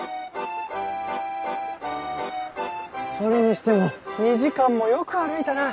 それにしても２時間もよく歩いたな。